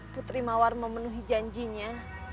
putri mawar memenuhi janjinya